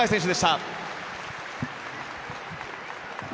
熊谷選手でした。